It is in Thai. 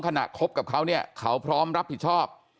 คบกับเขาเนี่ยเขาพร้อมรับผิดชอบ